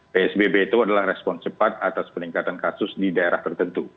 psbb itu adalah respon cepat atas peningkatan kasus di daerah tertentu